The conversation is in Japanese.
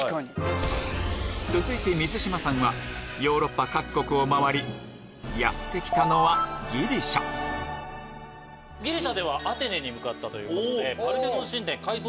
続いて水島さんはヨーロッパ各国を回りやって来たのはギリシャギリシャではアテネに向かったということで。